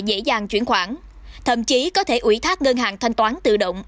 dễ dàng chuyển khoản thậm chí có thể ủy thác ngân hàng thanh toán tự động